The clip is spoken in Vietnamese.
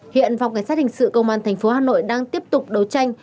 hiện phòng cảnh sát hình sự công an tp hà nội đang tiếp tục đấu tranh